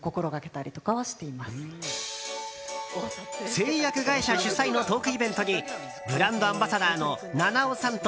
製薬会社主催のトークイベントにブランドアンバサダーの菜々緒さんと